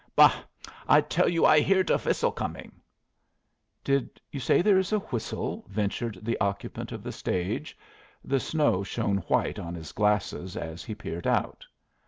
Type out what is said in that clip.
"Bah! I tell you I hear de whistle coming." "Did you say there was a whistle?" ventured the occupant of the stage. The snow shone white on his glasses as he peered out.